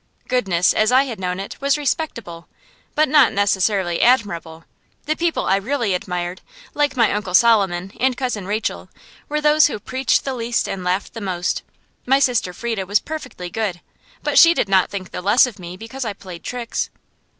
Goodness, as I had known it, was respectable, but not necessarily admirable. The people I really admired, like my Uncle Solomon, and Cousin Rachel, were those who preached the least and laughed the most. My sister Frieda was perfectly good, but she did not think the less of me because I played tricks.